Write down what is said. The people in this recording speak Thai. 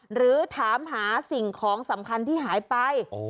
หรือถามหาสิ่งของสำคัญที่หายไป